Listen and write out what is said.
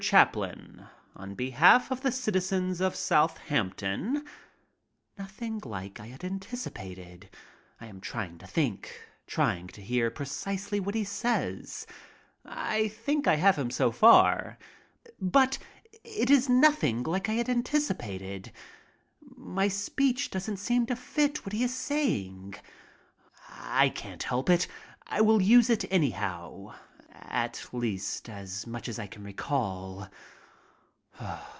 Chaplin, on behalf of the citizens of Southampton —" Nothing like I had anticipated. I am trying to think. Trying to hear precisely what he says. I think I have him so far. But it is nothing like I had anticipated. My speech doesn't seem to fit what he is saying. I can't help it. I will use it anyhow, at least as much as I can recall.